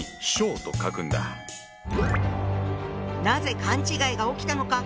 なぜ勘違いが起きたのか。